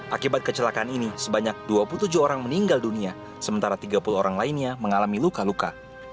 akibat kecelakaan ini sebanyak dua puluh tujuh orang meninggal dunia sementara tiga puluh orang lainnya mengalami luka luka